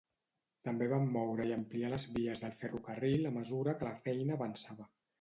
També van moure i ampliar les vies del ferrocarril a mesura que la feina avançava.